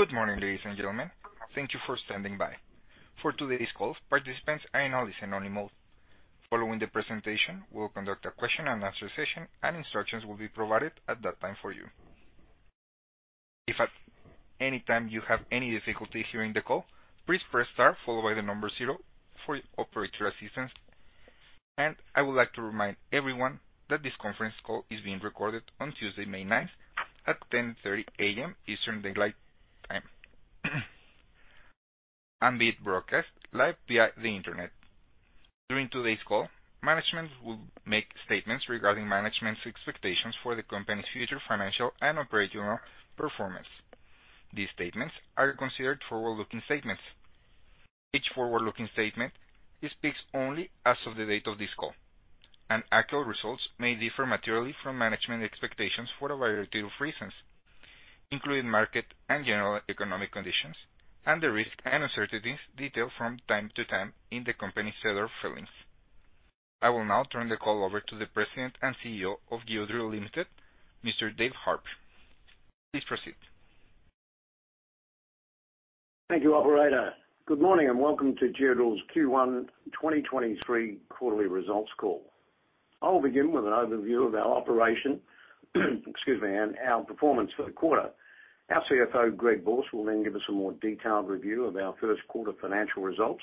Good morning, ladies and gentlemen. Thank you for standing by. For today's call, participants are in a listen-only mode. Following the presentation, we'll conduct a question-and-answer session. Instructions will be provided at that time for you. If at any time you have any difficulty hearing the call, please press star followed by zero for operator assistance. I would like to remind everyone that this conference call is being recorded on Tuesday, May 9th at 10:30 A.M. Eastern Daylight Time and being broadcast live via the Internet. During today's call, management will make statements regarding management's expectations for the company's future financial and operational performance. These statements are considered forward-looking statements. Each forward-looking statement speaks only as of the date of this call. Actual results may differ materially from management expectations for a variety of reasons, including market and general economic conditions and the risks and uncertainties detailed from time to time in the company's EDGAR filings. I will now turn the call over to the President and CEO of Geodrill Ltd, Mr. Dave Harper. Please proceed. Thank you, operator. Good morning and welcome to Geodrill's Q1 2023 quarterly results call. I will begin with an overview of our operation excuse me, and our performance for the quarter. Our CFO, Greg Borsk, will then give us a more detailed review of our first quarter financial results.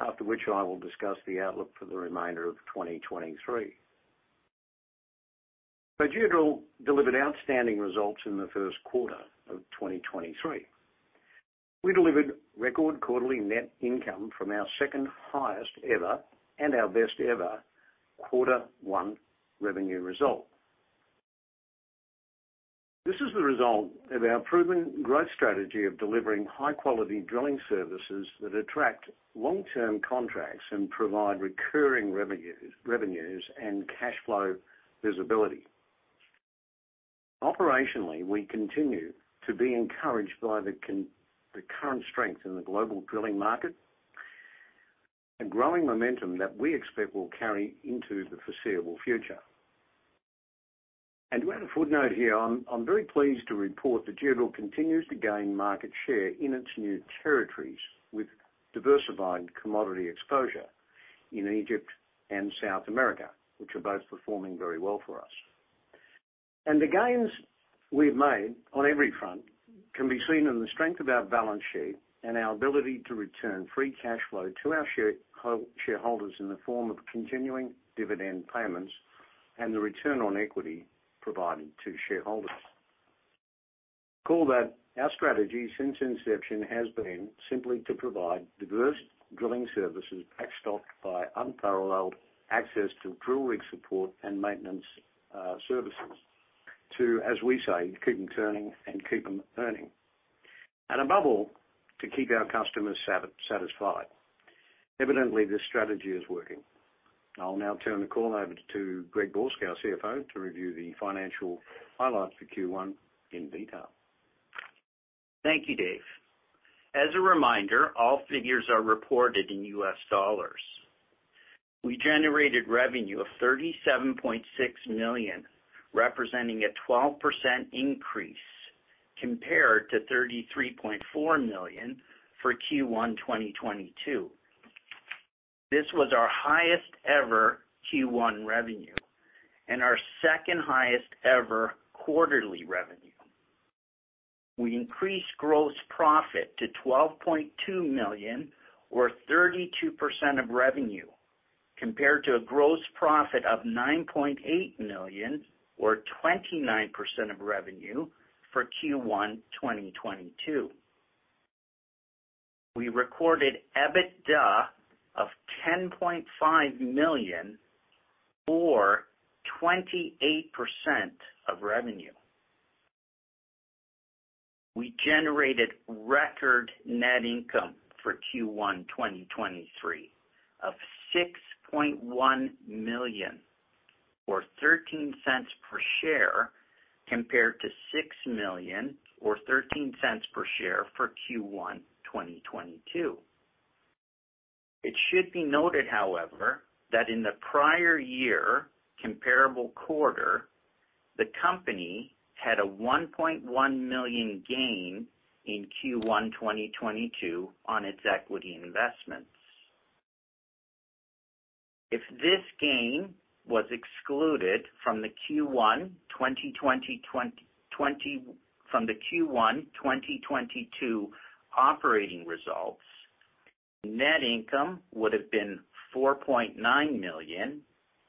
After which I will discuss the outlook for the remainder of 2023. Geodrill delivered outstanding results in the first quarter of 2023. We delivered record quarterly net income from our second highest ever and our best ever Q1 revenue result. This is the result of our proven growth strategy of delivering high-quality drilling services that attract long-term contracts and provide recurring revenues and cash flow visibility. Operationally, we continue to be encouraged by the current strength in the global drilling market, a growing momentum that we expect will carry into the foreseeable future. To add a footnote here, I'm very pleased to report that Geodrill continues to gain market share in its new territories with diversified commodity exposure in Egypt and South America, which are both performing very well for us. The gains we've made on every front can be seen in the strength of our balance sheet and our ability to return free cash flow to our shareholders in the form of continuing dividend payments and the return on equity provided to shareholders. Recall that our strategy since inception has been simply to provide diverse drilling services backstopped by unparalleled access to drill rig support and maintenance services to, as we say, keep them turning and keep them earning. Above all, to keep our customers satisfied. Evidently, this strategy is working. I'll now turn the call over to Greg Borsk, our CFO, to review the financial highlights for Q1 in detail. Thank you, Dave. As a reminder, all figures are reported in U.S. dollars. We generated revenue of $37.6 million, representing a 12% increase compared to $33.4 million for Q1 2022. This was our highest ever Q1 revenue and our second highest ever quarterly revenue. We increased gross profit to $12.2 million or 32% of revenue, compared to a gross profit of $9.8 million or 29% of revenue for Q1 2022. We recorded EBITDA of $10.5 million or 28% of revenue. We generated record net income for Q1 2023 of $6.1 million or $0.13 per share, compared to $6 million or $0.13 per share for Q1 2022. It should be noted, however, that in the prior year comparable quarter, the company had a $1.1 million gain in Q1 2022 on its equity investments. If this gain was excluded from the Q1 2022 operating results, net income would have been $4.9 million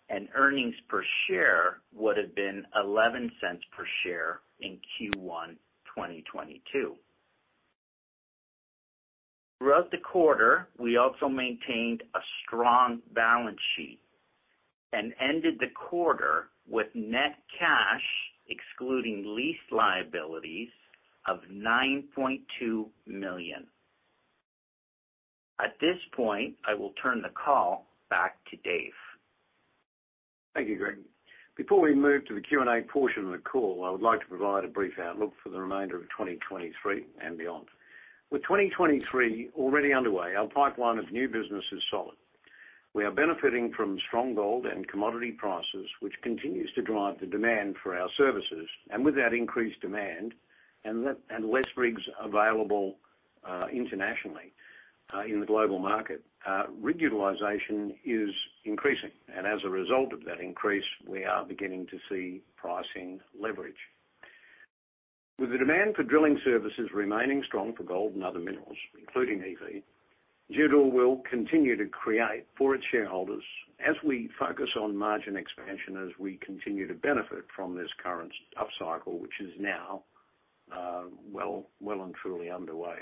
and earnings per share would have been $0.11 per share in Q1 2022. Throughout the quarter, we also maintained a strong balance sheet and ended the quarter with net cash excluding lease liabilities of $9.2 million. At this point, I will turn the call back to Dave. Thank you, Greg. Before we move to the Q&A portion of the call, I would like to provide a brief outlook for the remainder of 2023 and beyond. With 2023 already underway, our pipeline of new business is solid. We are benefiting from strong gold and commodity prices, which continues to drive the demand for our services. With that increased demand and less rigs available internationally in the global market, rig utilization is increasing. As a result of that increase, we are beginning to see pricing leverage. With the demand for drilling services remaining strong for gold and other minerals, including EV, Geodrill will continue to create for its shareholders as we focus on margin expansion, as we continue to benefit from this current upcycle, which is now well and truly underway.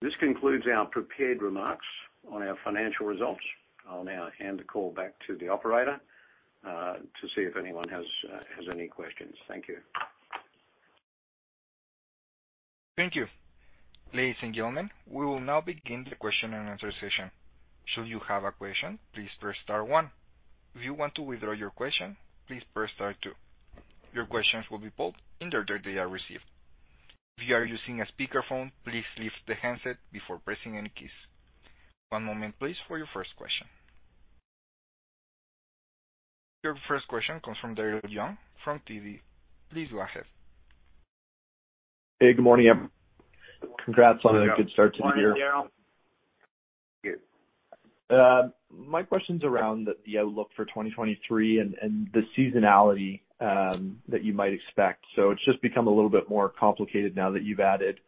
This concludes our prepared remarks on our financial results. I'll now hand the call back to the operator, to see if anyone has any questions. Thank you. Thank you. Ladies and gentlemen, we will now begin the question-and-answer session. Should you have a question, please press star one. If you want to withdraw your question, please press star two. Your questions will be pulled in the order they are received. If you are using a speakerphone, please lift the handset before pressing any keys. One moment please, for your first question. Your first question comes from Daryl Young from TD. Please go ahead. Hey, good morning, everyone. Congrats on a good start to the year. Good morning, Daryl. My question's around the outlook for 2023 and the seasonality that you might expect. It's just become a little bit more complicated now that you've added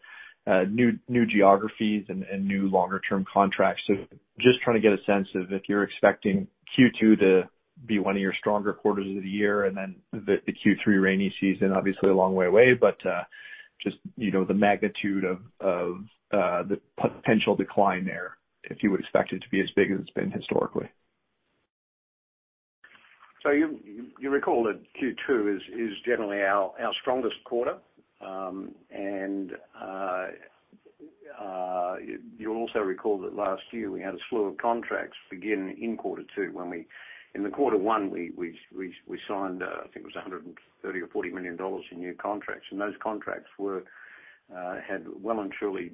new geographies and new longer term contracts. Just trying to get a sense of if you're expecting Q2 to be one of your stronger quarters of the year, and then the Q3 rainy season obviously a long way away, but, you know, the magnitude of the potential decline there, if you would expect it to be as big as it's been historically. You recall that Q2 is generally our strongest quarter. You'll also recall that last year we had a slew of contracts begin in quarter two when in quarter one, we signed I think it was $130 million or $40 million in new contracts. Those contracts were had well and truly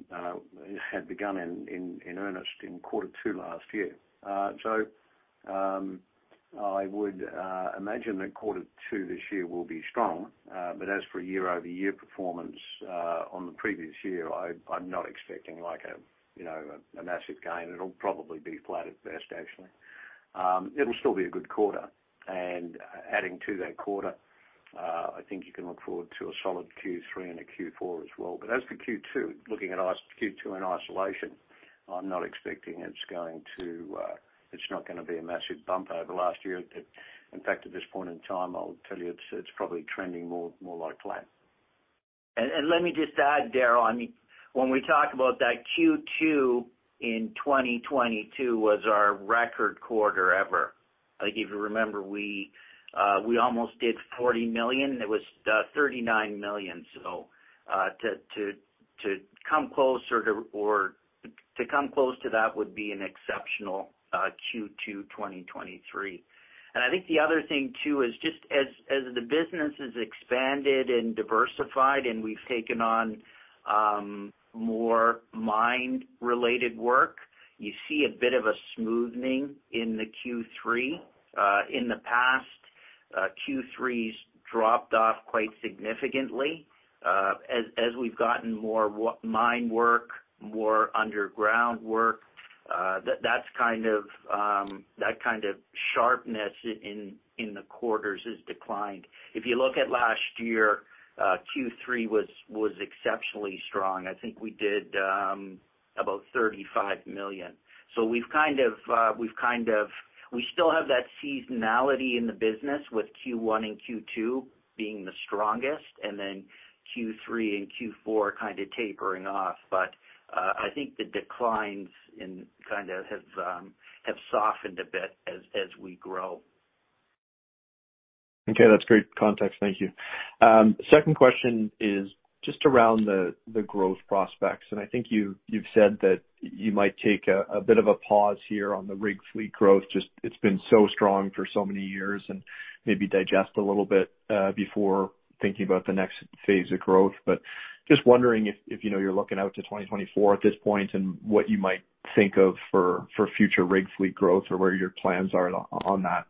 had begun in earnest in quarter two last year. I would imagine that quarter two this year will be strong. As for year-over-year performance on the previous year, I'm not expecting like a, you know, a massive gain. It'll probably be flat at best, actually. It'll still be a good quarter. Adding to that quarter, I think you can look forward to a solid Q3 and a Q4 as well. As for Q2, looking at Q2 in isolation, I'm not expecting it's going to, it's not gonna be a massive bump over last year. It, in fact, at this point in time, I'll tell you it's probably trending more like flat. Let me just add, Daryl, I mean, when we talk about that Q2 in 2022 was our record quarter ever. I think if you remember, we almost did $40 million. It was $39 million. To come close or to come close to that would be an exceptional Q2 2023. I think the other thing too is just as the business has expanded and diversified and we've taken on more mine related work, you see a bit of a smoothening in the Q3. In the past, Q3s dropped off quite significantly. As we've gotten more mine work, more underground work, that's kind of that kind of sharpness in the quarters has declined. If you look at last year, Q3 was exceptionally strong. I think we did about $35 million. We've kind of We still have that seasonality in the business with Q1 and Q2 being the strongest, and then Q3 and Q4 kind of tapering off. I think the declines kind of have softened a bit as we grow. Okay, that's great context. Thank you. Second question is just around the growth prospects. I think you've said that you might take a bit of a pause here on the rig fleet growth, just it's been so strong for so many years, and maybe digest a little bit before thinking about the next phase of growth. Just wondering if, you know, you're looking out to 2024 at this point and what you might think of for future rig fleet growth or where your plans are on that?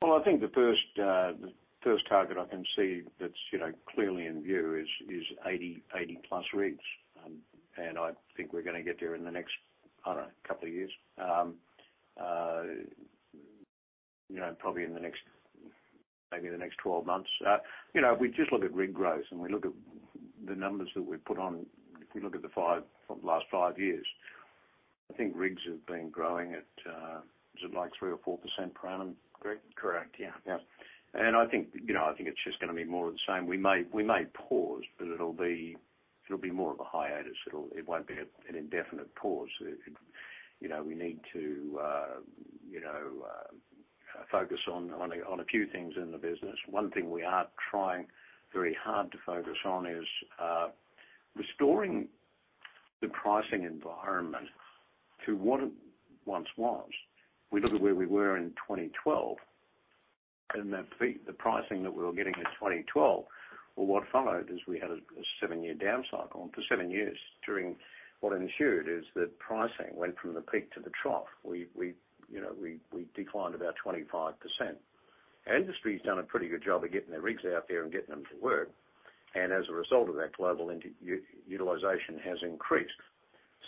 Well, I think the first, the first target I can see that's, you know, clearly in view is 80+ rigs. I think we're gonna get there in the next, I don't know, couple of years. You know, probably in the next, maybe in the next 12 months. You know, if we just look at rig growth and we look at the numbers that we've put on, if we look at the last five years, I think rigs have been growing at, is it like 3% or 4% per annum, Greg? Correct. Yeah. Yeah. I think, you know, I think it's just gonna be more of the same. We may pause, but it'll be more of a hiatus. It won't be an indefinite pause. It, you know, we need to, you know, focus on a few things in the business. One thing we are trying very hard to focus on is restoring the pricing environment to what it once was. We look at where we were in 2012. In the peak, the pricing that we were getting in 2012 or what followed is we had a seven-year down cycle. For seven years during what ensued is that pricing went from the peak to the trough. We, you know, we declined about 25%. Industry has done a pretty good job of getting their rigs out there and getting them to work. As a result of that, global utilization has increased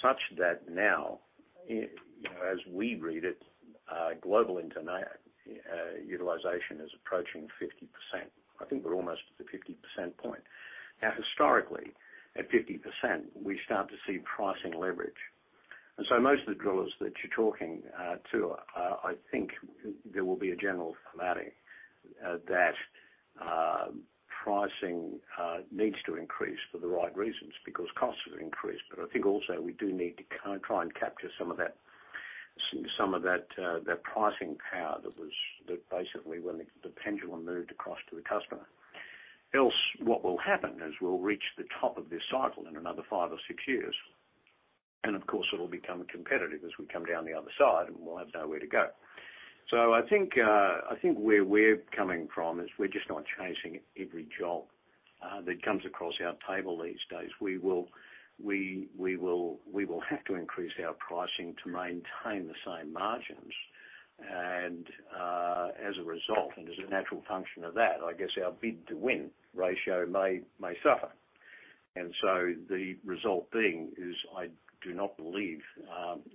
such that now, you know, as we read it, global utilization is approaching 50%. I think we're almost at the 50% point. Now, historically, at 50%, we start to see pricing leverage. So most of the drillers that you're talking to, I think there will be a general thematic that pricing needs to increase for the right reasons because costs have increased. I think also we do need to try and capture some of that, some of that pricing power that basically when the pendulum moved across to the customer. Else, what will happen is we'll reach the top of this cycle in another five or six years, and of course, it'll become competitive as we come down the other side, and we'll have nowhere to go. I think, I think where we're coming from is we're just not chasing every job that comes across our table these days. We will have to increase our pricing to maintain the same margins. As a result, and as a natural function of that, I guess our bid-to-win ratio may suffer. The result being is I do not believe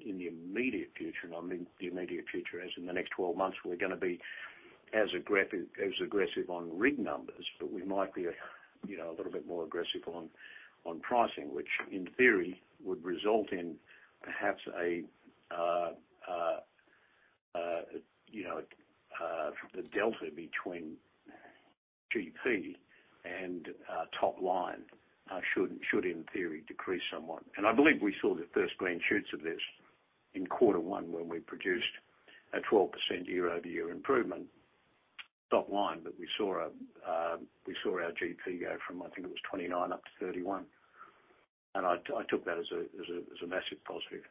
in the immediate future, and I mean the immediate future as in the next 12 months, we're gonna be as aggressive on rig numbers, but we might be, you know, a little bit more aggressive on pricing, which in theory would result in perhaps a, you know, the delta between GP and top line should in theory decrease somewhat. I believe we saw the first green shoots of this in quarter one when we produced a 12% year-over-year improvement top line. We saw our GP go from, I think it was 29 up to 31, and I took that as a massive positive.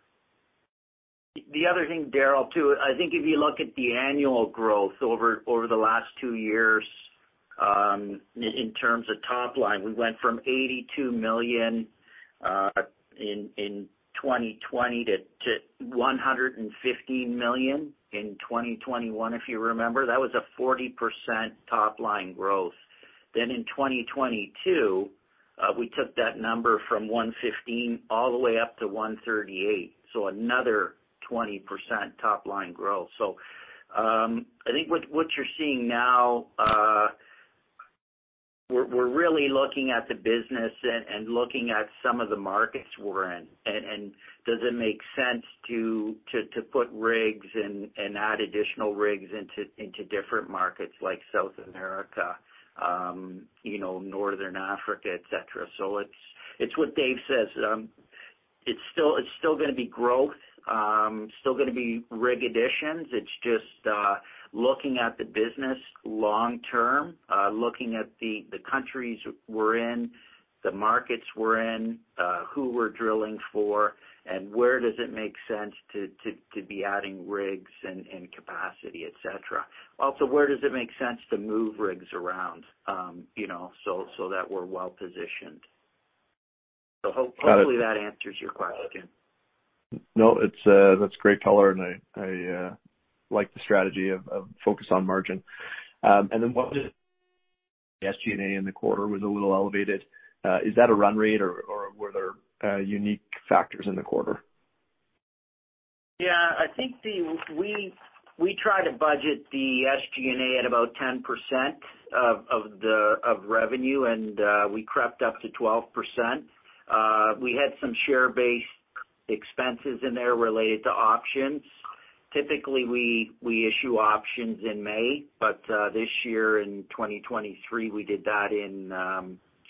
The other thing, Daryl, too, I think if you look at the annual growth over the last two years, in terms of top line, we went from $82 million in 2020 to $115 million in 2021. If you remember, that was a 40% top line growth. In 2022, we took that number from $115 million all the way up to $138 million. Another 20% top line growth. I think what you're seeing now, we're really looking at the business and looking at some of the markets we're in. Does it make sense to put rigs and add additional rigs into different markets like South America, you know, Northern Africa, et cetera. It's what Dave says. It's still gonna be growth. Still gonna be rig additions. It's just looking at the business long term, looking at the countries we're in, the markets we're in, who we're drilling for, and where does it make sense to be adding rigs and capacity, et cetera. Where does it make sense to move rigs around, you know, so that we're well-positioned. Got it. Hopefully that answers your question. No, it's, that's great color. I, like the strategy of focus on margin. Then what is the SG&A in the quarter was a little elevated? Is that a run rate or were there unique factors in the quarter? Yeah, I think We try to budget the SG&A at about 10% of the, of revenue, we crept up to 12%. We had some share-based expenses in there related to options. Typically, we issue options in May, but this year in 2023, we did that in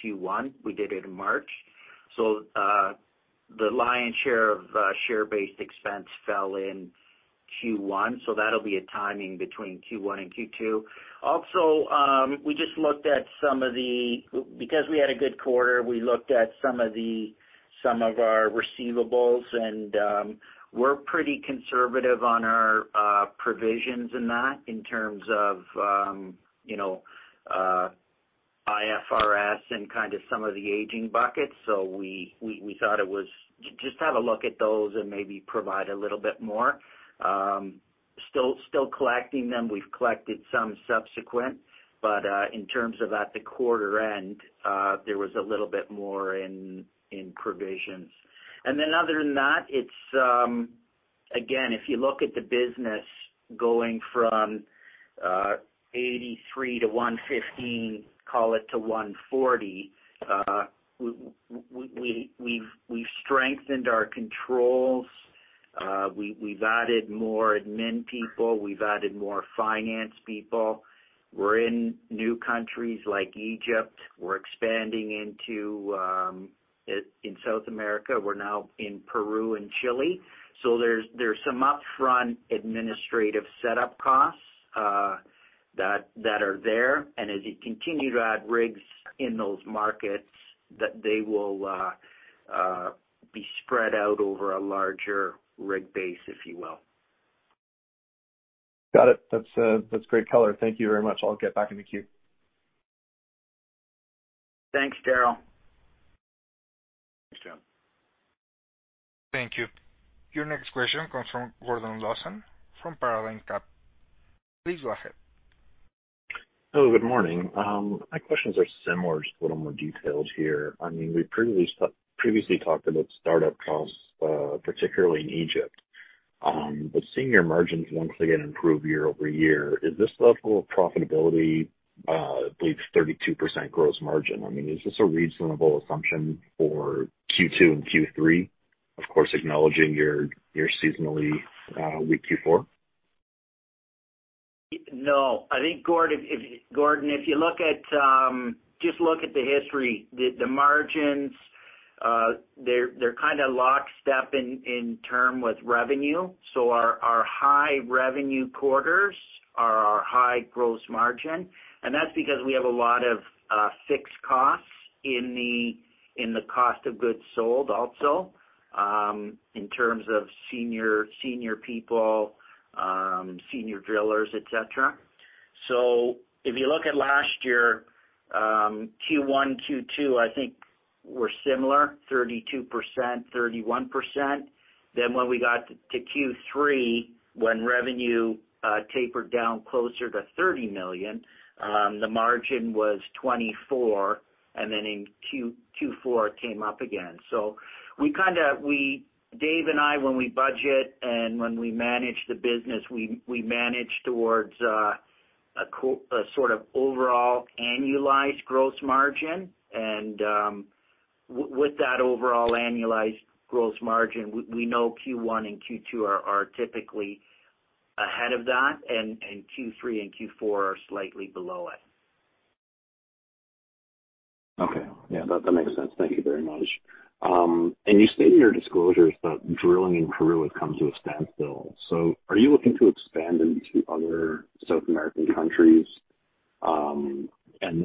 Q1. We did it in March. The lion's share of share-based expense fell in Q1. That'll be a timing between Q1 and Q2. Also, we just looked at some of the... Because we had a good quarter, we looked at some of the, some of our receivables, and we're pretty conservative on our provisions in that in terms of, you know, IFRS and kind of some of the aging buckets. We thought it was... Just have a look at those and maybe provide a little bit more. Still collecting them. We've collected some subsequent, but in terms of at the quarter end, there was a little bit more in provisions. Other than that, it's again, if you look at the business going from $83 million to $115 million, call it to $140 million, we've strengthened our controls. We've added more admin people. We've added more finance people. We're in new countries like Egypt. We're expanding into in South America. We're now in Peru and Chile. There's some upfront administrative setup costs that are there. As you continue to add rigs in those markets that they will be spread out over a larger rig base, if you will. Got it. That's great color. Thank you very much. I'll get back in the queue. Thanks, Daryl. Thanks, Daryl. Thank you. Your next question comes from Gordon Lawson from Paradigm Capital. Please go ahead. Hello, good morning. My questions are similar, just a little more detailed here. I mean, we previously talked about startup costs, particularly in Egypt. Seeing your margins once again improve year-over-year, is this level of profitability, I believe 32% gross margin, I mean, is this a reasonable assumption for Q2 and Q3? Of course, acknowledging your seasonally weak Q4. No, I think Gord, if Gordon, if you look at just look at the history. The margins, they're kinda lockstep in term with revenue. Our high revenue quarters are our high gross margin. That's because we have a lot of fixed costs in the cost of goods sold also, in terms of senior people, senior drillers, et cetera. If you look at last year, Q1, Q2, I think were similar, 32%, 31%. When we got to Q3, when revenue tapered down closer to $30 million, the margin was 24%, and then in Q4, it came up again. We kinda, Dave and I, when we budget and when we manage the business, we manage towards a sort of overall annualized gross margin. With that overall annualized gross margin, we know Q1 and Q2 are typically ahead of that and Q3 and Q4 are slightly below it. Okay. Yeah. That makes sense. Thank you very much. You state in your disclosures that drilling in Peru has come to a standstill. Are you looking to expand into other South American countries?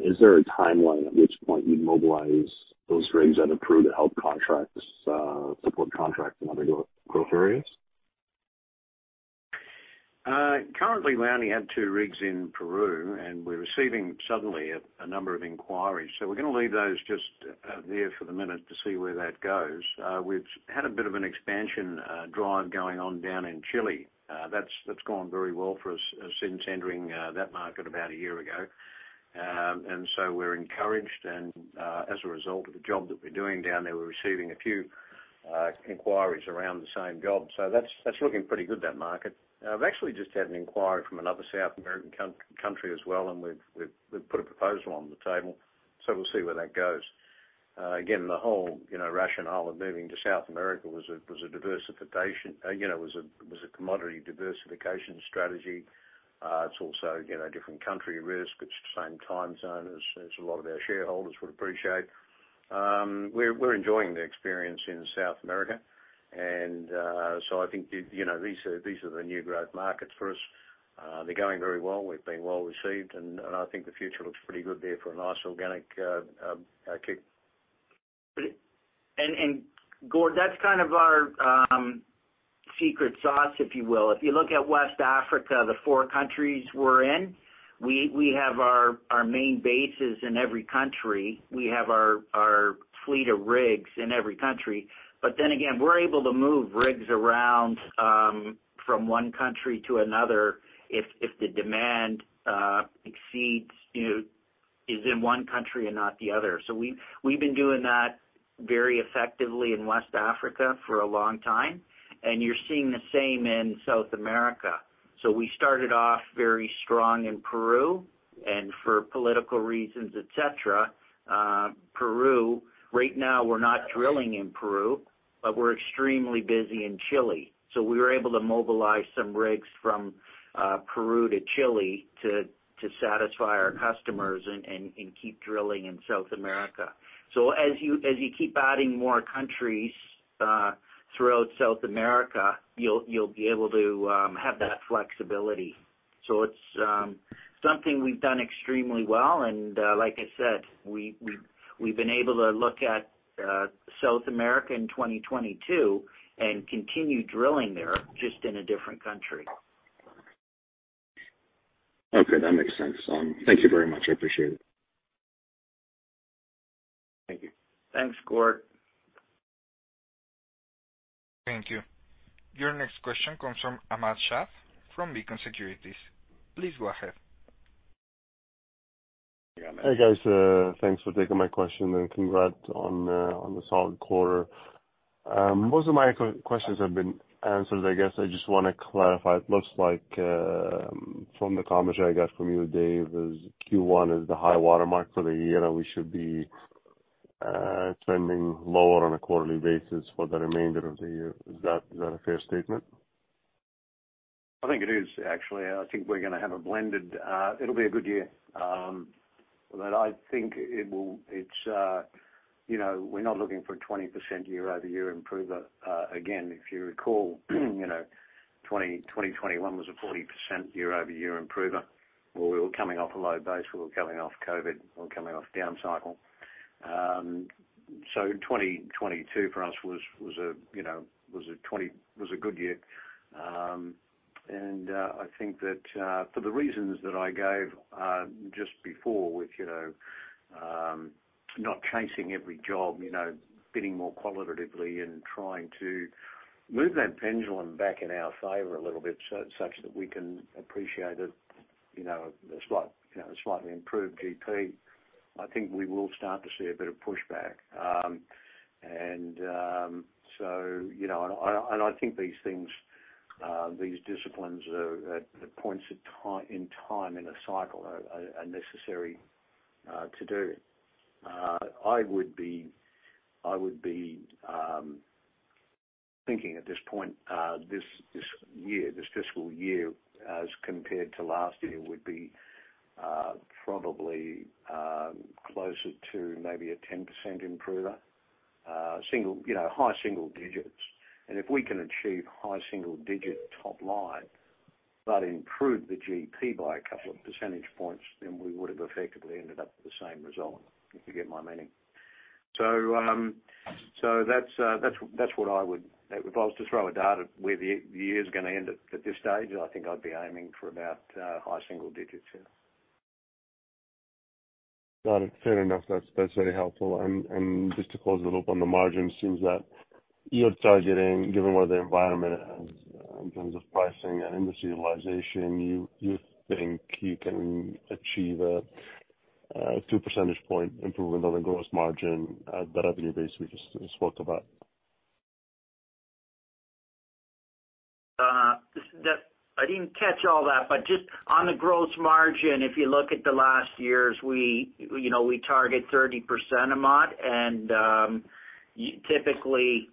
Is there a timeline at which point you'd mobilize those rigs that are Peru to help contracts, support contracts in other growth areas? Currently, we only have two rigs in Peru, and we're receiving suddenly a number of inquiries. We're gonna leave those just there for the minute to see where that goes. We've had a bit of an expansion drive going on down in Chile. That's gone very well for us since entering that market about a year ago. We're encouraged. As a result of the job that we're doing down there, we're receiving a few inquiries around the same job. That's looking pretty good, that market. I've actually just had an inquiry from another South American country as well, and we've put a proposal on the table, so we'll see where that goes. Again, the whole, you know, rationale of moving to South America was a diversification, you know, it was a commodity diversification strategy. It's also, you know, different country risk. It's the same time zone as a lot of our shareholders would appreciate. We're enjoying the experience in South America. I think, you know, these are the new growth markets for us. They're going very well. We've been well received, and I think the future looks pretty good there for a nice organic kick. Gord, that's kind of our secret sauce, if you will. If you look at West Africa, the four countries we're in, we have our main bases in every country. We have our fleet of rigs in every country. Again, we're able to move rigs around from one country to another if the demand, you know, is in one country and not the other. We've been doing that very effectively in West Africa for a long time. You're seeing the same in South America. We started off very strong in Peru, and for political reasons, et cetera, Peru. Right now we're not drilling in Peru, but we're extremely busy in Chile. We were able to mobilize some rigs from Peru to Chile to satisfy our customers and keep drilling in South America. As you keep adding more countries throughout South America, you'll be able to have that flexibility. It's something we've done extremely well. Like I said, we've been able to look at South America in 2022 and continue drilling there just in a different country. Okay. That makes sense. Thank you very much. I appreciate it. Thank you. Thanks, Gord. Thank you. Your next question comes from Ahmad Shaath from Beacon Securities. Please go ahead. Hey, guys. Thanks for taking my question and congrats on the solid quarter. Most of my questions have been answered. I guess I just wanna clarify. It looks like from the comments that I got from you, Dave, is Q1 is the high watermark for the year, and we should be trending lower on a quarterly basis for the remainder of the year. Is that a fair statement? I think it is actually. I think we're gonna have a blended. It'll be a good year. It's, you know, we're not looking for a 20% year-over-year improver. Again, if you recall, 2021 was a 40% year-over-year improver, where we were coming off a low base, we were coming off COVID, we were coming off down cycle. 2022 for us was a, you know, was a good year. I think that, for the reasons that I gave, just before with, you know, not chasing every job, you know, bidding more qualitatively and trying to move that pendulum back in our favor a little bit so such that we can appreciate it, you know, a slightly improved GP. I think we will start to see a bit of pushback. You know, and I think these things, these disciplines are at points of time in a cycle are necessary to do. I would be thinking at this point, this year, this fiscal year as compared to last year would be probably closer to maybe a 10% improver. Single, you know, high single digits. If we can achieve high single digit top line, but improve the GP by a couple of percentage points, then we would have effectively ended up with the same result, if you get my meaning. That's, that's what I would... If I was to throw a dart at where the year's gonna end at this stage, I think I'd be aiming for about high single digits. Yeah. Got it. Fair enough. That's very helpful. Just to close the loop on the margin, it seems that you're targeting, given where the environment is in terms of pricing and industry utilization, you think you can achieve a two percentage point improvement on the gross margin at that revenue base we just spoke about? I didn't catch all that, but just on the gross margin, if you look at the last years, we, you know, we target 30%, Ahmad. Typically,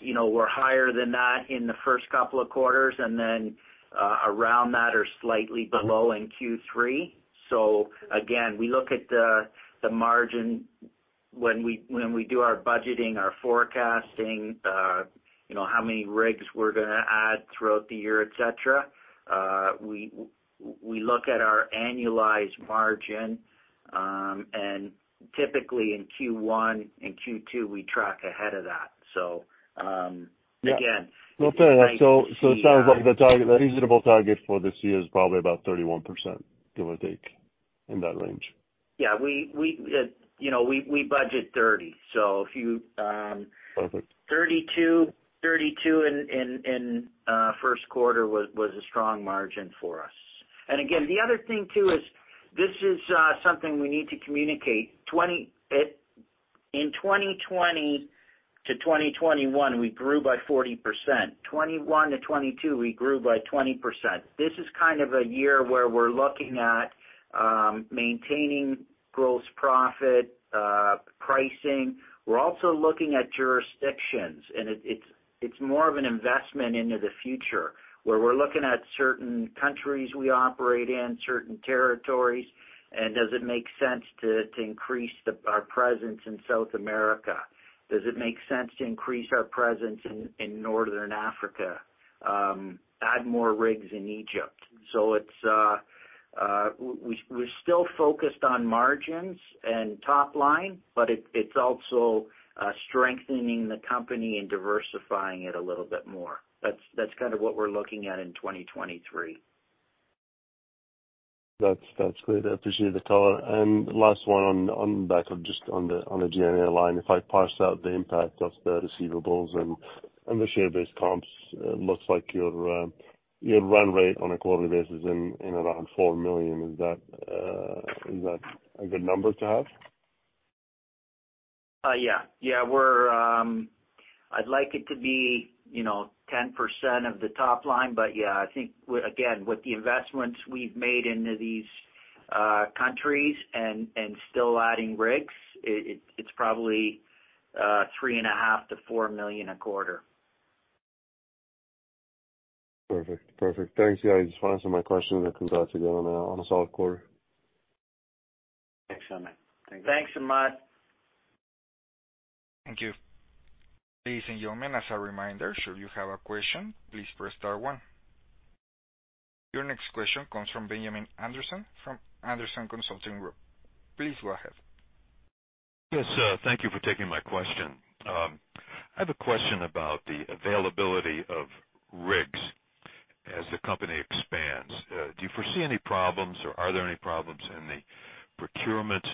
you know, we're higher than that in the first couple of quarters and then around that or slightly below in Q3. Again, we look at the margin when we do our budgeting, our forecasting, you know, how many rigs we're gonna add throughout the year, et cetera. We look at our annualized margin. Typically in Q1 and Q2, we track ahead of that. Again. No, fair. so it sounds like the reasonable target for this year is probably about 31%, give or take, in that range. Yeah. We, you know, we budget 30%. Perfect. 32% in first quarter was a strong margin for us. Again, the other thing too is this is something we need to communicate. In 2020 to 2021, we grew by 40%. 2021 to 2022, we grew by 20%. This is kind of a year where we're looking at maintaining gross profit pricing. We're also looking at jurisdictions, and it's more of an investment into the future, where we're looking at certain countries we operate in, certain territories, and does it make sense to increase our presence in South America? Does it make sense to increase our presence in Northern Africa? Add more rigs in Egypt. It's. We're still focused on margins and top line. It's also strengthening the company and diversifying it a little bit more. That's kind of what we're looking at in 2023. That's great. I appreciate the color. Last one on the back of just on the G&A line. If I parse out the impact of the receivables and the share-based comps, it looks like your run rate on a quarterly basis in around $4 million. Is that a good number to have? Yeah. Yeah. I'd like it to be, you know, 10% of the top line. Yeah, I think with, again, with the investments we've made into these countries and still adding rigs, it's probably $3.5 million to $4 million a quarter. Perfect. Thanks, guys. Just wanted to my questions. Congrats again on a solid quarter. Thanks, Ahmad. Thanks, Ahmad. Thank you. Ladies and gentlemen, as a reminder, should you have a question, please press star one. Your next question comes from Benjamin Anderson from Anderson Consulting Group. Please go ahead. Yes. Thank you for taking my question. I have a question about the availability of rigs as the company expands. Do you foresee any problems, or are there any problems in the procurement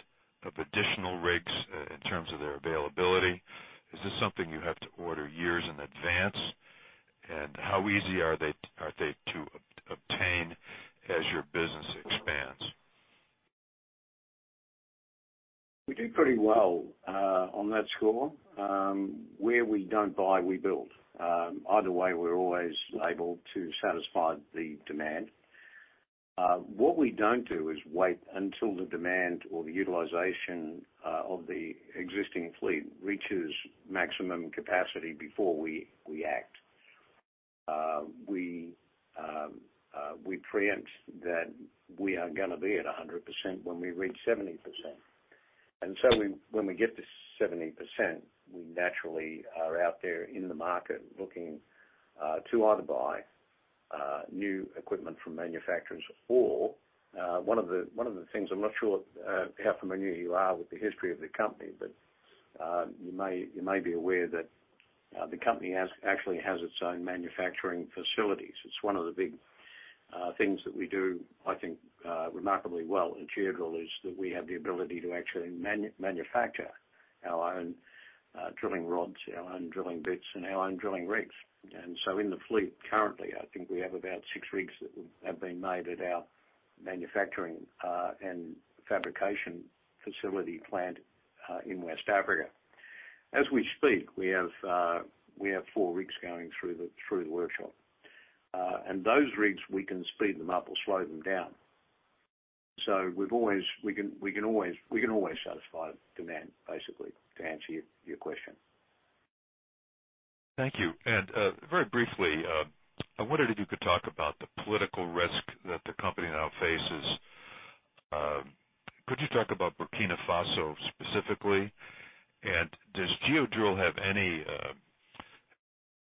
of additional rigs in terms of their availability? Is this something you have to order years in advance? How easy are they to obtain as your business expands? We do pretty well on that score. Where we don't buy, we build. Either way, we're always able to satisfy the demand. What we don't do is wait until the demand or the utilization of the existing fleet reaches maximum capacity before we act. We preempt that we are gonna be at 100% when we reach 70%. When we get to 70%, we naturally are out there in the market looking to either buy new equipment from manufacturers or one of the, one of the things I'm not sure how familiar you are with the history of the company, but you may be aware that the company actually has its own manufacturing facilities. It's one of the big things that we do, I think, remarkably well at Geodrill, is that we have the ability to actually manufacture our own drilling rods, our own drilling bits, and our own drilling rigs. In the fleet currently, I think we have about six rigs that have been made at our manufacturing and fabrication facility plant in West Africa. As we speak, we have four rigs going through the workshop. Those rigs, we can speed them up or slow them down. We can always satisfy demand, basically, to answer your question. Thank you. Very briefly, I wondered if you could talk about the political risk that the company now faces. Could you talk about Burkina Faso specifically? Does Geodrill have any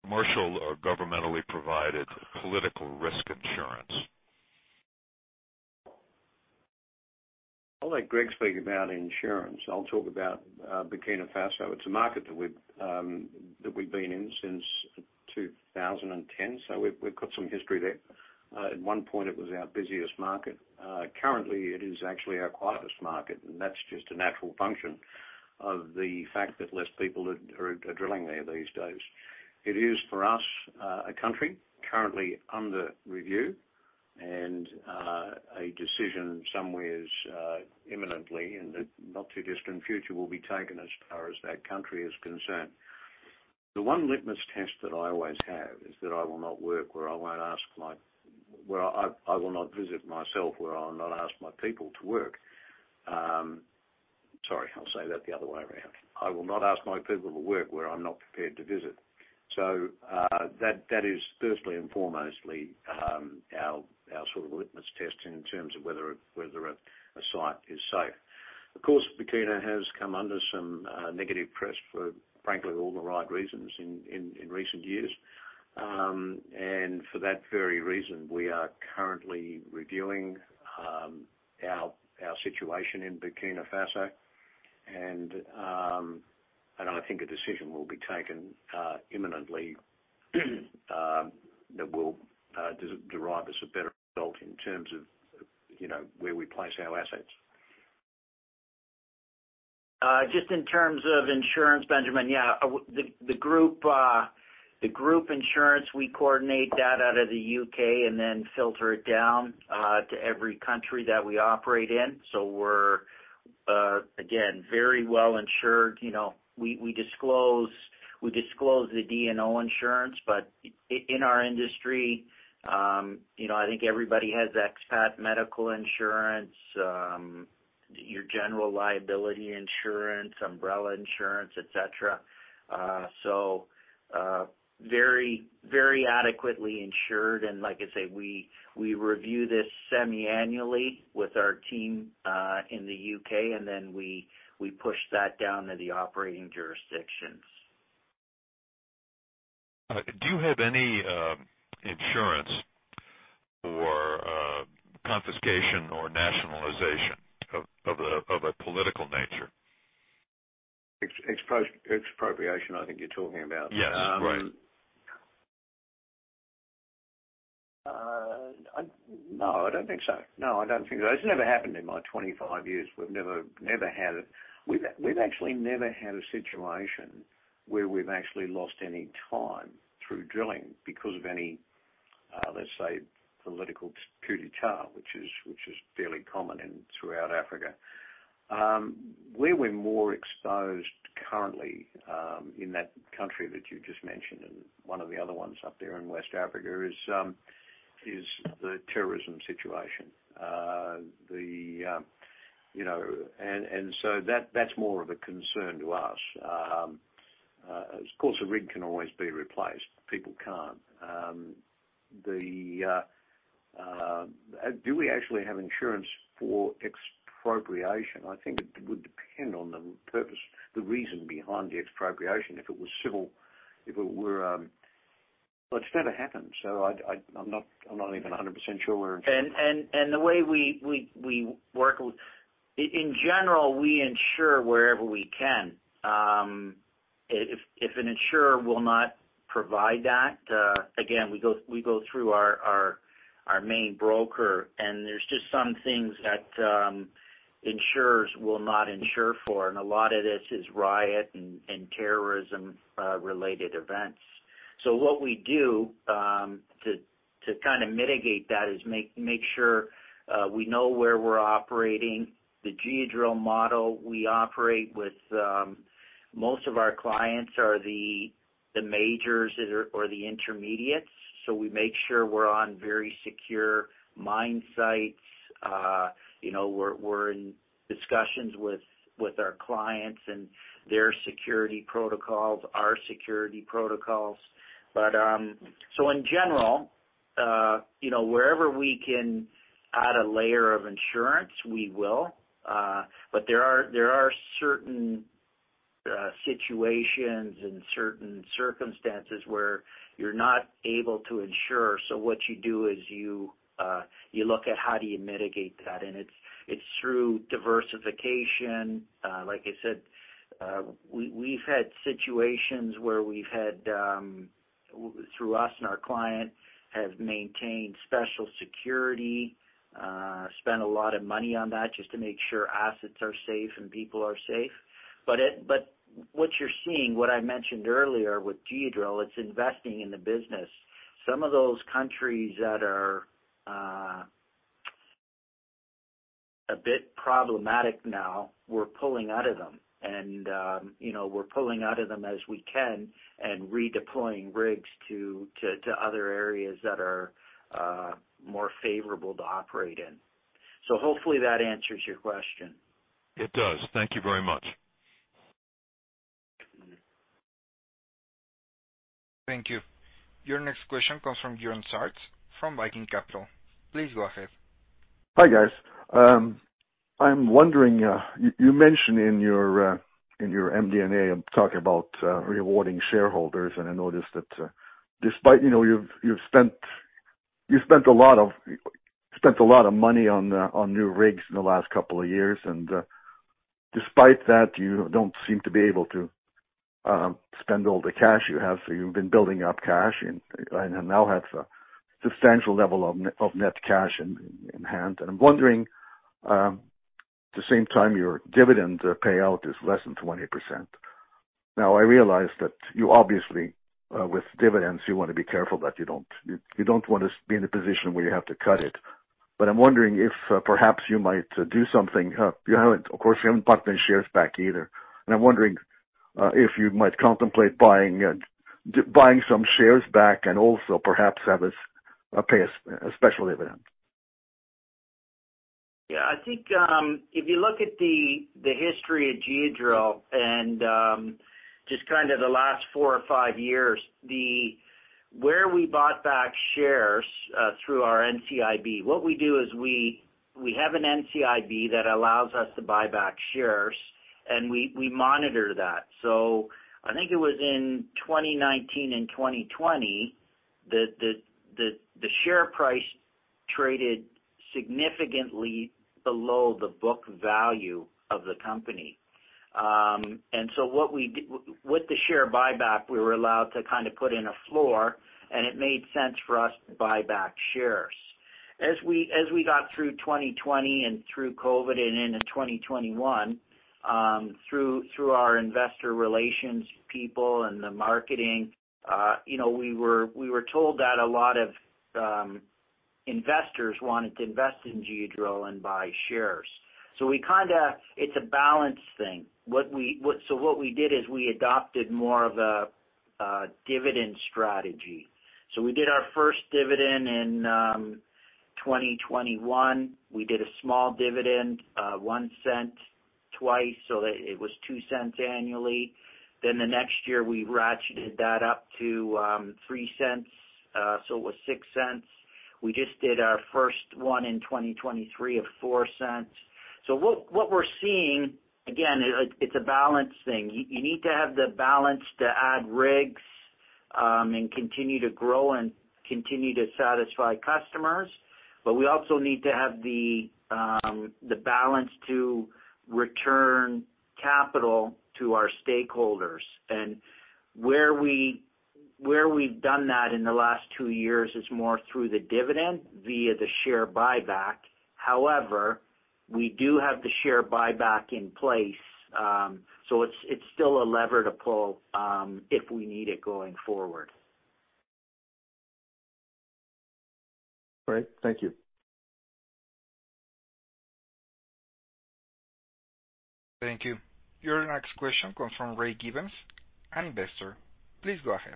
commercial or governmentally provided political risk insurance? I'll let Greg speak about insurance. I'll talk about Burkina Faso. It's a market that we've been in since 2010, so we've got some history there. At one point it was our busiest market. Currently it is actually our quietest market, that's just a natural function of the fact that less people are drilling there these days. It is, for us, a country currently under review, a decision somewhere imminently in the not-too-distant future will be taken as far as that country is concerned. The one litmus test that I always have is that I will not visit myself, where I'll not ask my people to work. Sorry, I'll say that the other way around. I will not ask my people to work where I'm not prepared to visit. That is firstly and foremostly, our sort of litmus test in terms of whether a site is safe. Of course, Burkina has come under some negative press for, frankly, all the right reasons in recent years. For that very reason, we are currently reviewing, our situation in Burkina Faso. I think a decision will be taken, imminently, that will de-derive us a better result in terms of, you know, where we place our assets. Just in terms of insurance, Benjamin, the group insurance, we coordinate that out of the UK and then filter it down to every country that we operate in. We're, again, very well insured. You know, we disclose the D&O insurance, but in our industry, you know, I think everybody has expat medical insurance, your general liability insurance, umbrella insurance, et cetera. Very adequately insured. Like I say, we review this semiannually with our team in the U.K., then we push that down to the operating jurisdictions. Do you have any insurance for confiscation or nationalization of a political nature? Expropriation, I think you're talking about. Yeah. Right. No, I don't think so. No, I don't think so. It's never happened in my 25 years. We've never had it. We've actually never had a situation where we've actually lost any time through drilling because of any, let's say, political coup d'état, which is fairly common throughout Africa. Where we're more exposed currently, in that country that you just mentioned and one of the other ones up there in West Africa is the terrorism situation. The, you know... That, that's more of a concern to us. Of course, a rig can always be replaced, people can't. The... Do we actually have insurance for expropriation? I think it would depend on the purpose, the reason behind the expropriation. If it was civil, if it were... It's never happened, so I'm not even 100% sure. The way we work with... In general, we insure wherever we can. If an insurer will not provide that, again, we go through our main broker, and there's just some things that insurers will not insure for, and a lot of this is riot and terrorism related events. What we do to kinda mitigate that is make sure we know where we're operating. The Geodrill model, we operate with most of our clients are the majors or the intermediates, so we make sure we're on very secure mine sites. you know, we're in discussions with our clients and their security protocols, our security protocols. In general. You know, wherever we can add a layer of insurance, we will. But there are certain situations and certain circumstances where you're not able to insure. What you do is you look at how do you mitigate that. It's, it's through diversification. Like I said, we've had situations where we've had through us and our client, have maintained special security, spent a lot of money on that just to make sure assets are safe and people are safe. What you're seeing, what I mentioned earlier with Geodrill, it's investing in the business. Some of those countries that are a bit problematic now, we're pulling out of them. You know, we're pulling out of them as we can and redeploying rigs to other areas that are more favorable to operate in. Hopefully that answers your question. It does. Thank you very much. Thank you. Your next question comes from John Sartz from Viking Capital. Please go ahead. Hi, guys. I'm wondering, you mentioned in your MD&A and talk about rewarding shareholders. I noticed that, despite, you know, you've spent a lot of money on new rigs in the last couple of years. Despite that, you don't seem to be able to spend all the cash you have. You've been building up cash and now have a substantial level of net cash in hand. I'm wondering, at the same time your dividend payout is less than 20%. I realize that you obviously, with dividends, you wanna be careful that you don't want to be in a position where you have to cut it. I'm wondering if perhaps you might do something. You haven't. Of course, you haven't bought the shares back either. I'm wondering if you might contemplate buying some shares back and also perhaps pay a special dividend. Yeah. I think, if you look at the history of Geodrill and, just kind of the last four or five years, Where we bought back shares, through our NCIB, what we do is we have an NCIB that allows us to buy back shares, and we monitor that. I think it was in 2019 and 2020 that the share price traded significantly below the book value of the company. With the share buyback, we were allowed to kind of put in a floor, and it made sense for us to buy back shares. As we got through 2020 and through COVID and into 2021, through our investor relations people and the marketing, you know, we were told that a lot of investors wanted to invest in G-Drill and buy shares. We kinda. It's a balance thing. What we did is we adopted more of a dividend strategy. We did our first dividend in 2021. We did a small dividend, $0.01 twice, so that it was $0.02 annually. The next year, we ratcheted that up to $0.03, so it was $0.06. We just did our first one in 2023 of $0.04. What we're seeing, again, it's a balance thing. You need to have the balance to add rigs, and continue to grow and continue to satisfy customers, but we also need to have the balance to return capital to our stakeholders. Where we've done that in the last two years is more through the dividend via the share buyback. However, we do have the share buyback in place, so it's still a lever to pull, if we need it going forward. Great. Thank you. Thank you. Your next question comes from Ray Gibbons, an investor. Please go ahead.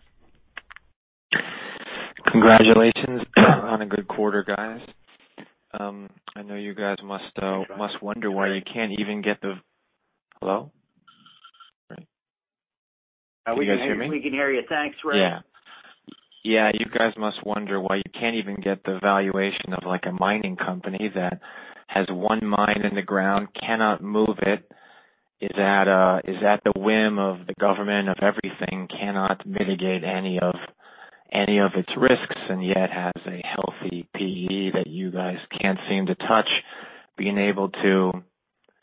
Congratulations on a good quarter, guys. I know you guys must wonder why you can't even get the... Hello? Can you guys hear me? We can hear you. Thanks, Ray. Yeah. Yeah. You guys must wonder why you can't even get the valuation of, like, a mining company that has one mine in the ground, cannot move it, is at the whim of the government of everything, cannot mitigate any of its risks, and yet has a healthy P/E that you guys can't seem to touch, being able to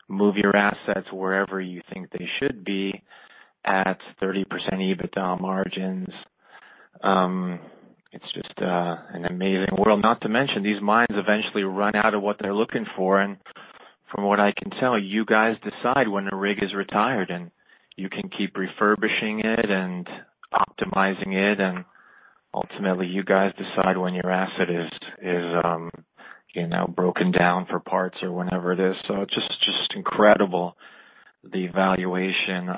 move your assets wherever you think they should be at 30% EBITDA margins. It's just an amazing world. Not to mention, these mines eventually run out of what they're looking for. From what I can tell, you guys decide when a rig is retired, and you can keep refurbishing it and optimizing it. Ultimately, you guys decide when your asset is, you know, broken down for parts or whatever it is. It's just incredible, the valuation,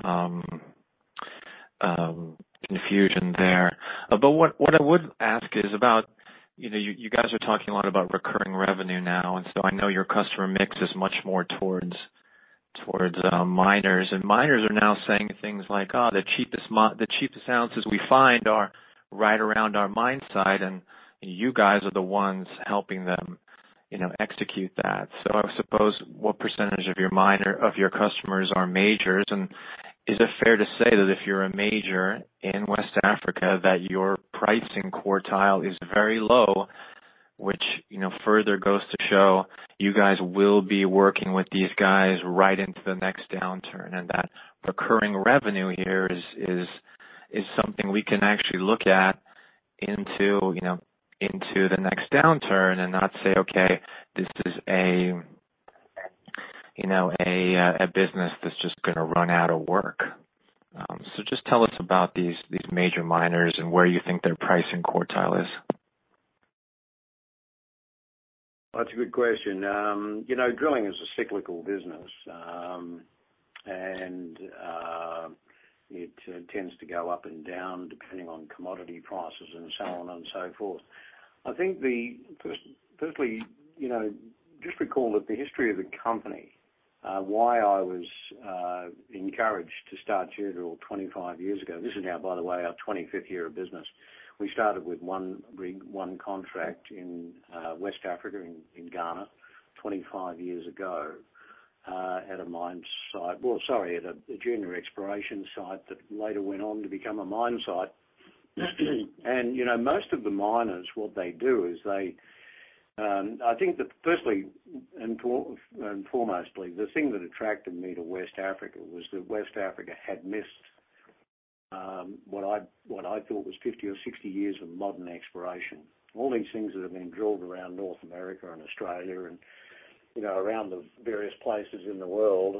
confusion there. What I would ask is about, you know, you guys are talking a lot about recurring revenue now, I know your customer mix is much more Towards, miners. Miners are now saying things like, "Oh, the cheapest ounces we find are right around our mine site." You guys are the ones helping them, you know, execute that. I suppose, what percentage of your customers are majors? Is it fair to say that if you're a major in West Africa that your pricing quartile is very low, which, you know, further goes to show you guys will be working with these guys right into the next downturn, and that recurring revenue here is something we can actually look at into, you know, into the next downturn and not say, "Okay, this is a, you know, a business that's just gonna run out of work"? Just tell us about these major miners and where you think their pricing quartile is. That's a good question. You know, drilling is a cyclical business and it tends to go up and down depending on commodity prices and so on and so forth. I think firstly, you know, just recall that the history of the company, why I was encouraged to start Geodrill 25 years ago. This is now, by the way, our 25th year of business. We started with one rig, one contract in West Africa in Ghana 25 years ago, at a mine site. Well, sorry, at a junior exploration site that later went on to become a mine site. You know, most of the miners, what they do is they... I think that firstly and foremostly, the thing that attracted me to West Africa was that West Africa had missed, what I thought was 50 or 60 years of modern exploration. All these things that have been drilled around North America and Australia and, you know, around the various places in the world,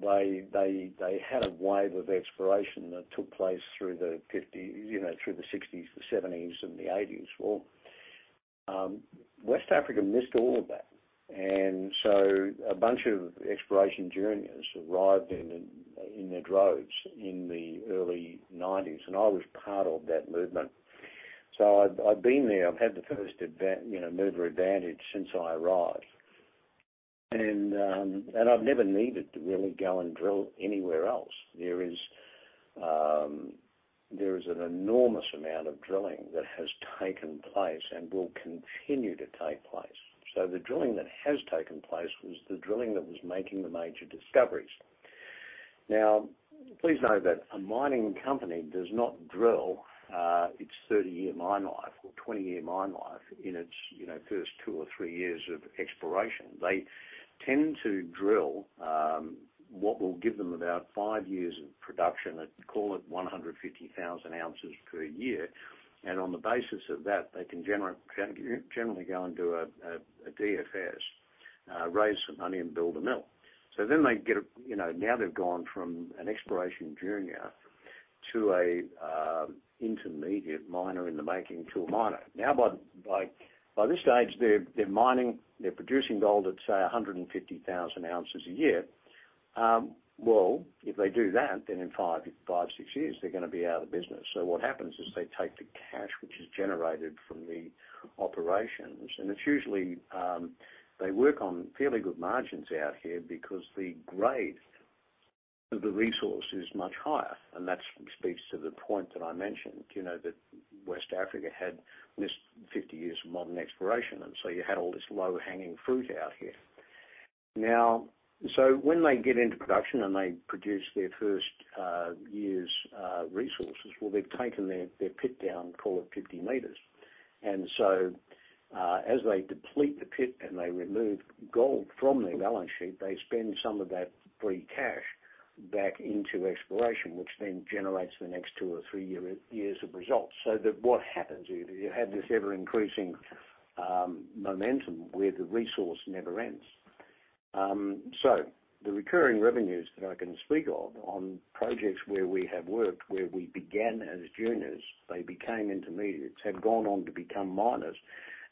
they had a wave of exploration that took place through the 1950s, you know, through the 1960s, the 1970s, and the 1980s. West Africa missed all of that. A bunch of exploration juniors arrived in their droves in the early 1990s, and I was part of that movement. I've been there. I've had the first you know, mover advantage since I arrived. I've never needed to really go and drill anywhere else. There is an enormous amount of drilling that has taken place and will continue to take place. The drilling that has taken place was the drilling that was making the major discoveries. Now, please note that a mining company does not drill its 30-year mine life or 20-year mine life in its, you know, first two or three years of exploration. They tend to drill what will give them about 5 years of production at, call it 150,000 ounces per year. On the basis of that, they can generally go and do a DFS, raise some money and build a mill. They get a, you know, now they've gone from an exploration junior to a intermediate miner in the making to a miner. Now, by this stage, they're mining, they're producing gold at, say, 150,000 ounces a year. Well, if they do that, then in five, six years, they're gonna be out of business. What happens is they take the cash which is generated from the operations, and it's usually, they work on fairly good margins out here because the grade of the resource is much higher. That speaks to the point that I mentioned, you know, that West Africa had missed 50 years of modern exploration, and you had all this low-hanging fruit out here. When they get into production, and they produce their first year's resources, well, they've taken their pit down, call it 50 m. As they deplete the pit, and they remove gold from their balance sheet, they spend some of that free cash back into exploration, which then generates the next two or three years of results. That what happens, you have this ever-increasing momentum where the resource never ends. The recurring revenues that I can speak of on projects where we have worked, where we began as juniors, they became intermediates, have gone on to become miners,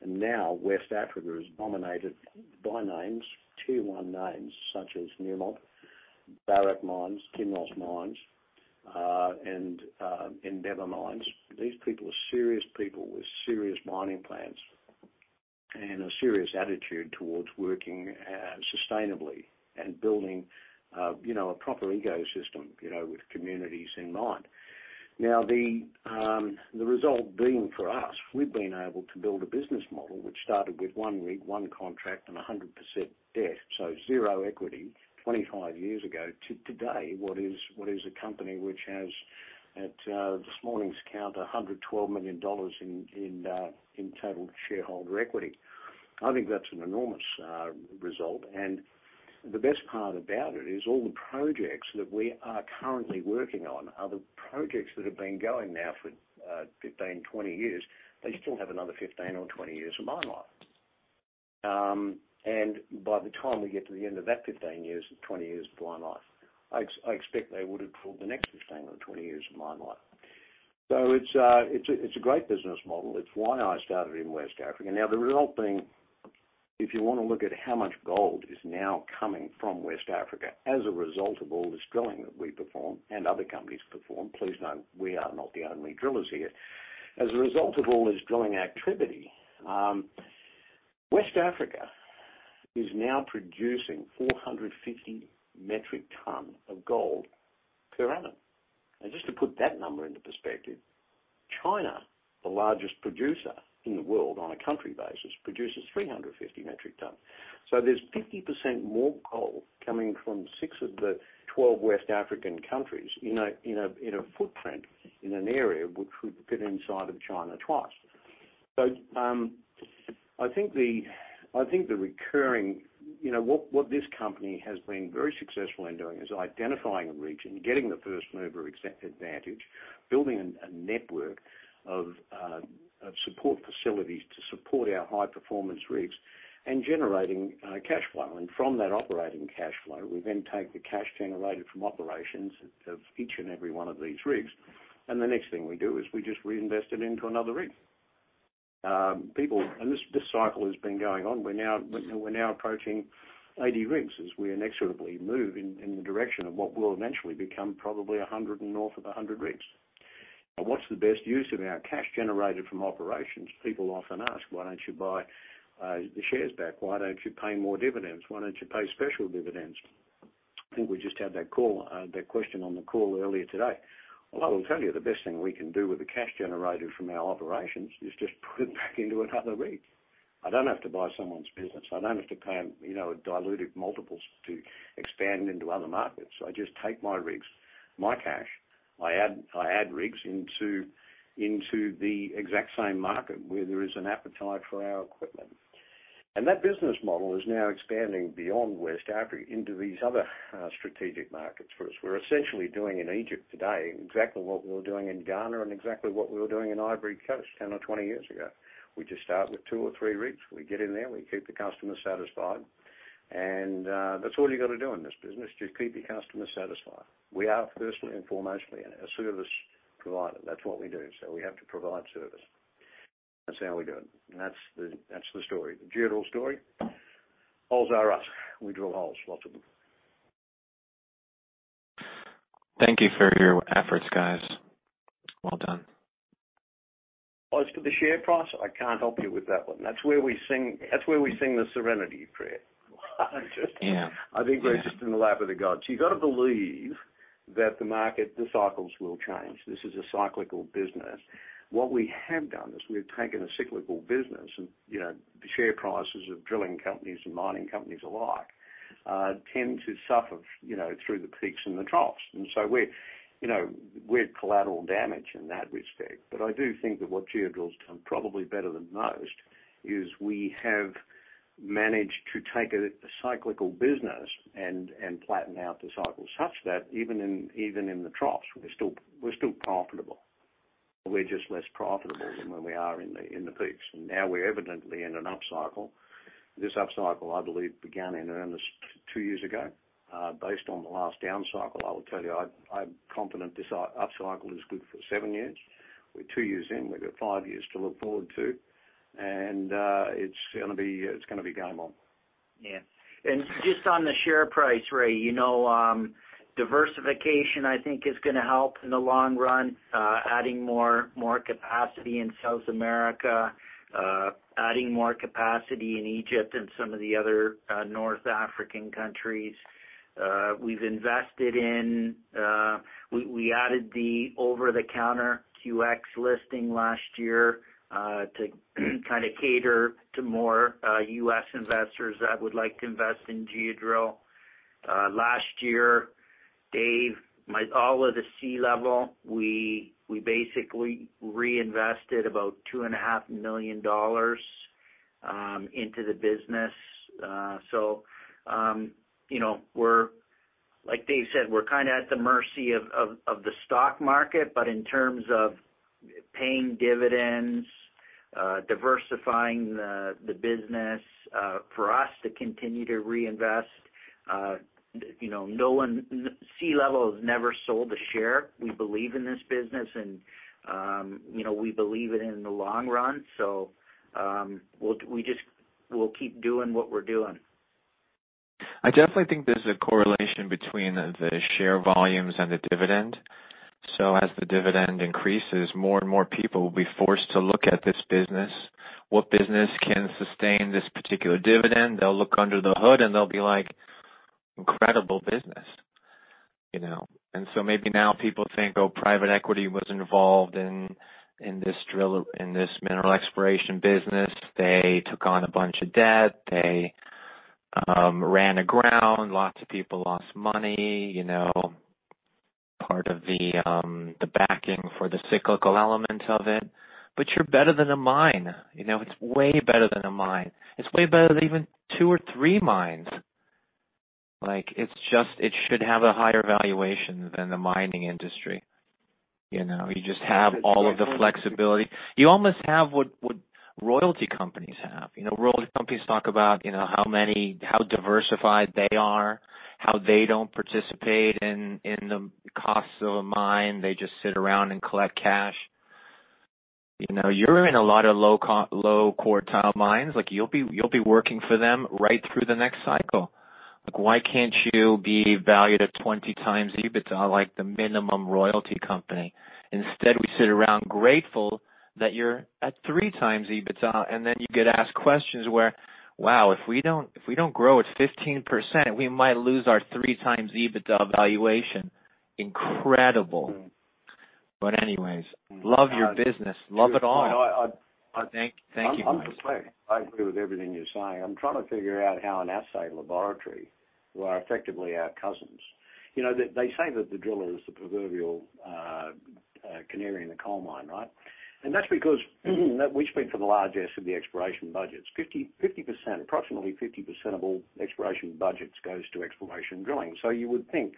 and now West Africa is dominated by names, tier one names such as Newmont, Barrick mines, Kinross mines, and Endeavour mines. These people are serious people with serious mining plans and a serious attitude towards working sustainably and building, you know, a proper ecosystem, you know, with communities in mind. Now, the result being for us, we've been able to build a business model which started with one rig, one contract and 100% debt, so zero equity 25 years ago, to today what is a company which has at this morning's count, $112 million in total shareholder equity. I think that's an enormous result. The best part about it is all the projects that we are currently working on are the projects that have been going now for 15, 20 years. They still have another 15 or 20 years of mine life. By the time we get to the end of that 15 years or 20 years of mine life, I expect they would have drilled the next 15 or 20 years of mine life. It's a great business model. It's why I started in West Africa. The result being, if you wanna look at how much gold is now coming from West Africa as a result of all this drilling that we perform and other companies perform, please note, we are not the only drillers here. As a result of all this drilling activity, West Africa is now producing 450 metric tons of gold per annum. Just to put that number into perspective, China, the largest producer in the world on a country basis, produces 350 metric tons. There's 50% more gold coming from six of the 12 West African countries in a footprint in an area which would fit inside of China twice. I think the recurring... You know, what this company has been very successful in doing is identifying a region, getting the first mover ex-advantage, building a network of support facilities to support our high performance rigs and generating cash flow. From that operating cash flow, we then take the cash generated from operations of each and every one of these rigs, and the next thing we do is we just reinvest it into another rig. People... This cycle has been going on. We're now approaching 80 rigs as we inexorably move in the direction of what will eventually become probably 100 and north of 100 rigs. What's the best use of our cash generated from operations? People often ask, "Why don't you buy the shares back? Why don't you pay more dividends? Why don't you pay special dividends?" I think we just had that question on the call earlier today. Well, I will tell you the best thing we can do with the cash generated from our operations is just put it back into another rig. I don't have to buy someone's business. I don't have to pay, you know, diluted multiples to expand into other markets. I just take my rigs, my cash, I add rigs into the exact same market where there is an appetite for our equipment. That business model is now expanding beyond West Africa into these other strategic markets for us. We're essentially doing in Egypt today exactly what we were doing in Ghana and exactly what we were doing in Ivory Coast 10 or 20 years ago. We just start with two or three rigs. We get in there, we keep the customer satisfied, that's all you gotta do in this business, just keep your customer satisfied. We are first and foremostly a service provider. That's what we do, we have to provide service. That's how we do it. That's the story. The Geodrill story. Holes R Us. We drill holes, lots of them. Thank you for your efforts, guys. Well done. As for the share price, I can't help you with that one. That's where we sing, that's where we sing the serenity prayer. Yeah. I think we're just in the lap of the gods. You've got to believe that the market, the cycles will change. This is a cyclical business. What we have done is we've taken a cyclical business and, you know, the share prices of drilling companies and mining companies alike tend to suffer, you know, through the peaks and the troughs. We're, you know, we're collateral damage in that respect. I do think that what Geodrill's done probably better than most is we have managed to take a cyclical business and flatten out the cycle such that even in the troughs, we're still profitable. We're just less profitable than when we are in the peaks. Now we're evidently in an upcycle. This upcycle, I believe, began in earnest two years ago. Based on the last downcycle, I will tell you, I'm confident this upcycle is good for seven years. We're two years in. We've got five years to look forward to. It's gonna be, it's gonna be game on. Yeah. Just on the share price, Ray, you know, diversification, I think is going to help in the long run. Adding more capacity in South America, adding more capacity in Egypt and some of the other North African countries. We've invested in. We added the over the counter QX listing last year to kind of cater to more U.S. investors that would like to invest in Geodrill. Last year, Dave, all of the C-level, we basically reinvested about $2.5 million into the business. You know, like Dave said, we're kind of at the mercy of the stock market. In terms of paying dividends, diversifying the business, for us to continue to reinvest, you know, no one C-level has never sold a share. We believe in this business and, you know, we believe it in the long run. We'll keep doing what we're doing. I definitely think there's a correlation between the share volumes and the dividend. As the dividend increases, more and more people will be forced to look at this business. What business can sustain this particular dividend? They'll look under the hood, and they'll be like, "Incredible business," you know. Maybe now people think, "Oh, private equity was involved in this drill, in this mineral exploration business. They took on a bunch of debt. They ran aground. Lots of people lost money," you know, part of the backing for the cyclical element of it. You're better than a mine, you know. It's way better than a mine. It's way better than even two or three mines. Like, it's just, it should have a higher valuation than the mining industry, you know. You just have all of the flexibility. You almost have what royalty companies have. You know, royalty companies talk about, you know, how many, how diversified they are, how they don't participate in the costs of a mine. They just sit around and collect cash. You know, you're in a lot of low quartile mines. Like, you'll be working for them right through the next cycle. Like why can't you be valued at 20x EBITDA like the minimum royalty company? Instead, we sit around grateful that you're at 3x EBITDA, and then you get asked questions where, wow, if we don't, if we don't grow at 15%, we might lose our 3x EBITDA valuation. Incredible. Anyways, love your business. Love it all. No, I... Thank you. I'm with you. I agree with everything you're saying. I'm trying to figure out how an assay laboratory, who are effectively our cousins. You know, they say that the driller is the proverbial canary in the coal mine, right? That's because we spend for the largest of the exploration budgets. Approximately 50% of all exploration budgets goes to exploration drilling. You would think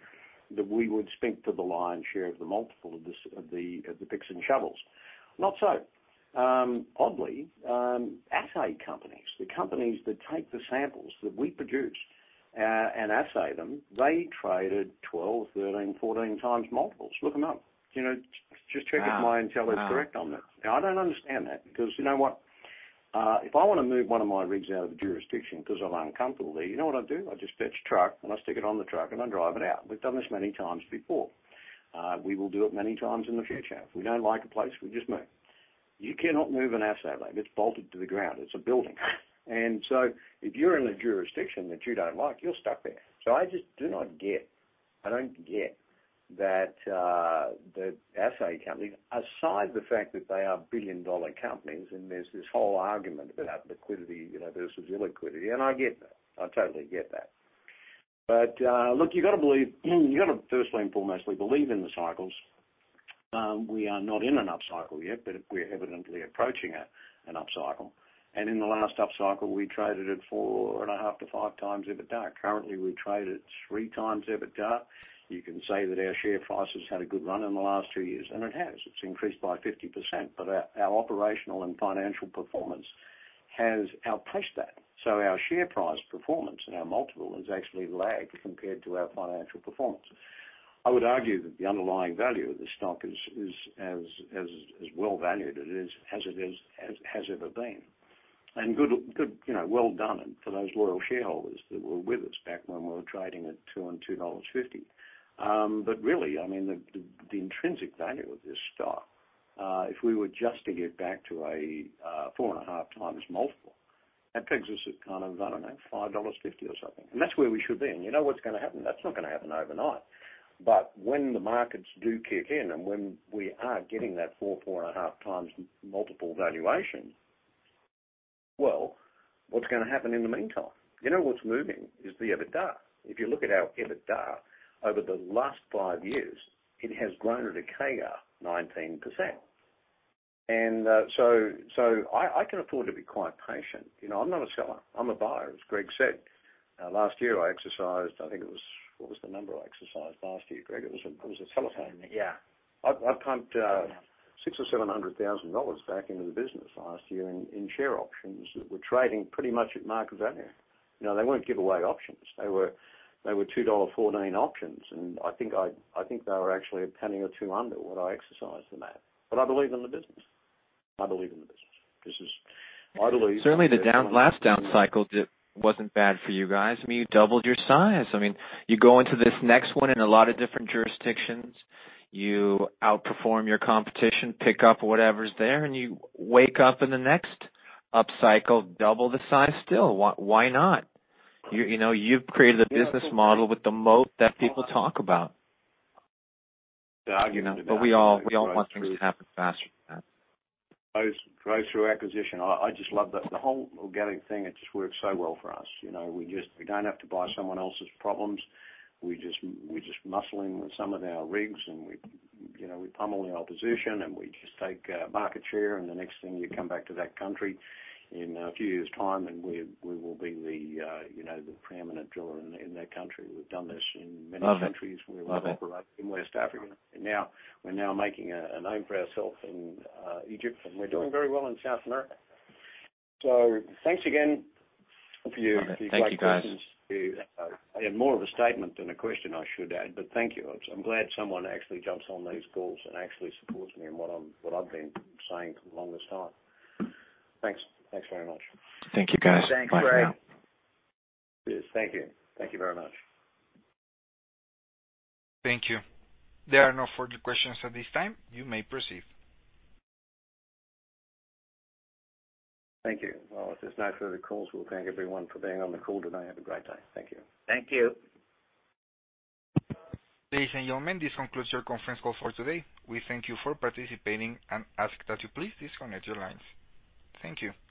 that we would spink for the lion's share of the multiple of the picks and shovels. Not so. Oddly, assay companies, the companies that take the samples that we produce and assay them, they traded 12x, 13x, 14x multiples. Look them up. You know, just check if my intel is correct on that. I don't understand that because you know what? If I wanna move one of my rigs out of the jurisdiction 'cause I'm uncomfortable there, you know what I do? I just fetch a truck and I stick it on the truck and I drive it out. We've done this many times before. We will do it many times in the future. If we don't like a place, we just move. You cannot move an assay lab. It's bolted to the ground. It's a building. If you're in a jurisdiction that you don't like, you're stuck there. I just do not get, I don't get that, the assay companies, aside the fact that they are billion-dollar companies and there's this whole argument about liquidity, you know, versus illiquidity, and I get that. I totally get that. Look, you gotta firstly and foremostly believe in the cycles. We are not in an upcycle yet, but we're evidently approaching an upcycle. In the last upcycle, we traded at 4.5-5x EBITDA. Currently, we trade at 3x EBITDA. You can say that our share price has had a good run in the last two years, and it has. It's increased by 50%. Our operational and financial performance has outpaced that. Our share price performance and our multiple has actually lagged compared to our financial performance. I would argue that the underlying value of the stock is as well valued as it has ever been. Good, you know, well done and for those loyal shareholders that were with us back when we were trading at $2.50. Really, the intrinsic value of this stock, if we were just to get back to a 4.5x multiple, that takes us at kind of, I don't know, $5.50 or something. That's where we should be. You know what's gonna happen? That's not gonna happen overnight. When the markets do kick in and when we are getting that 4.5x multiple valuation, well, what's gonna happen in the meantime? You know what's moving is the EBITDA. If you look at our EBITDA over the last five years, it has grown at a CAGR 19%. I can afford to be quite patient. You know, I'm not a seller. I'm a buyer, as Greg said. Last year, I exercised, I think it was... What was the number I exercised last year, Greg? It was a telephone. Yeah. I pumped $600,000-$700,000 back into the business last year in share options that were trading pretty much at market value. You know, they weren't giveaway options. They were $2.14 options. I think they were actually $0.01 or $0.02 under when I exercised them at. I believe in the business. I believe in the business. This is. I believe. Certainly, the last down cycle wasn't bad for you guys. I mean, you doubled your size. I mean, you go into this next one in a lot of different jurisdictions, you outperform your competition, pick up whatever's there, and you wake up in the next upcycle, double the size still. Why, why not? You know, you've created a business model with the moat that people talk about. I argue- We all want things to happen faster than that. Those growth through acquisition, I just love that. The whole organic thing, it just works so well for us. You know, we just don't have to buy someone else's problems. We just muscle in with some of our rigs and we, you know, we pummel the opposition and we just take market share, and the next thing you come back to that country in a few years' time, and we will be the, you know, the preeminent driller in that country. We've done this in many countries. Love it. Love it. We operate in West Africa. Now we're making a name for ourselves in Egypt, and we're doing very well in South America. Thank you, guys. I had more of a statement than a question, I should add, but thank you. I'm glad someone actually jumps on these calls and actually supports me in what I'm, what I've been saying for the longest time. Thanks. Thanks very much. Thank you, guys. Bye now. Thanks, Ray. Cheers. Thank you. Thank you very much. Thank you. There are no further questions at this time. You may proceed. Thank you. Well, if there's no further calls, we'll thank everyone for being on the call today. Have a great day. Thank you. Thank you. Ladies and gentlemen, this concludes your conference call for today. We thank you for participating and ask that you please disconnect your lines. Thank you.